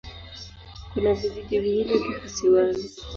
Kuna vijiji viwili tu kisiwani.